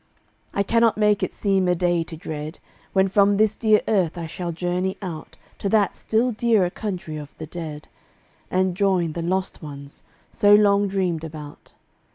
I cannot make it seem a day to dread, When from this dear earth I shall journey out To that still dearer country of the dead, And join the lost ones, so long dreamed about.